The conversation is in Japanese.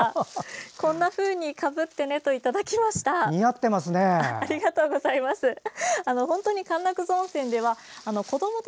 こんなふうにかぶってねといただきました。